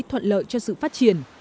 thuận lợi cho sự phát triển